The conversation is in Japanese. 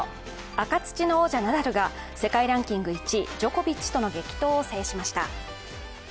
赤土の王者・ナダルが世界ランキング１位、ジョコビッチとの激闘を制しました。